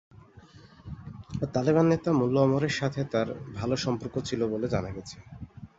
তালেবান নেতা মোল্লা ওমরের সাথে তার ভালো সম্পর্ক ছিল বলে জানা গেছে।